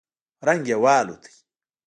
رنگ يې والوت.